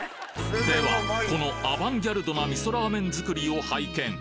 ではこのアバンギャルドな味噌ラーメン作りを拝見